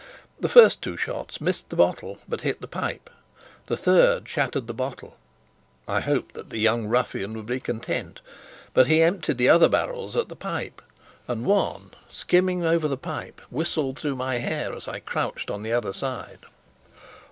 The first two shots missed the bottle, but hit the pipe. The third shattered the bottle. I hoped that the young ruffian would be content; but he emptied the other barrels at the pipe, and one, skimming over the pipe, whistled through my hair as I crouched on the other side.